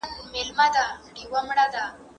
هغه د څېړنې لپاره کتابتون ته ځي.